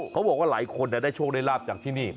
เขาบอกว่าหลายคนได้โชคได้ลาบจากที่นี่